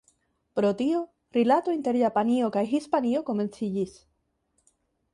Pro tio, rilato inter Japanio kaj Hispanio komenciĝis.